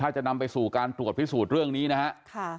ถ้าจะนำไปสู่การตรวจพิสูจน์เรื่องนี้นะครับ